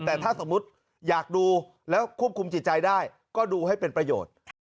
แต่ถ้าสมมุติอยากดูแล้วควบคุมจิตใจได้ก็ดูให้เป็นประโยชน์